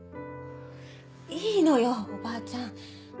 いいのよおばあちゃん。